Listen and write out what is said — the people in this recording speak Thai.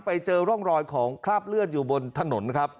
ไปเจอร่องรอยของคราบเลือดอยู่บนถนนครับ